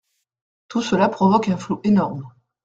Tout cela provoque un flou énorme.